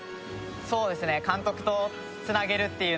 そうですねさあ